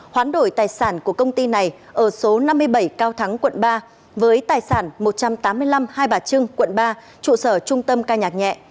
hoán đổi tài sản của công ty này ở số năm mươi bảy cao thắng quận ba với tài sản một trăm tám mươi năm hai bà trưng quận ba trụ sở trung tâm ca nhạc nhẹ